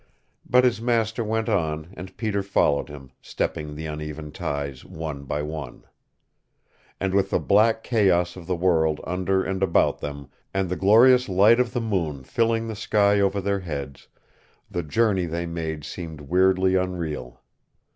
But his master went on and Peter followed him, stepping the uneven ties one by one. And with the black chaos of the world under and about them, and the glorious light of the moon filling; the sky over their heads, the journey they made seemed weirdly unreal.